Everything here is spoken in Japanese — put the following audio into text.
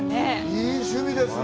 いい趣味ですね。